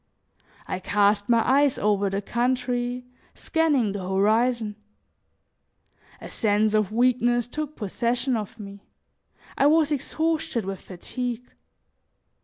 I cast my eyes over the country, scanning the horizon. A sense of weakness took possession of me; I was exhausted with fatigue.